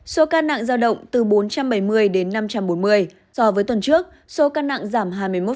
số ca nặng giao động từ bốn trăm bảy mươi đến năm trăm bốn mươi so với tuần trước số ca nặng giảm hai mươi một